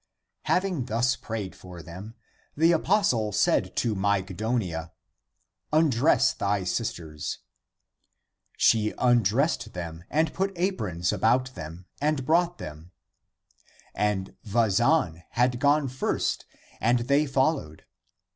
Having thus prayed for them, the apostle said to Mygdonia, " Undress thy sisters !" She un dressed them and put aprons about them and brought them. And Vazan had gone first and they followed.